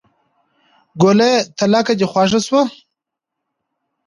ګوليه تلک دې خوښ شو.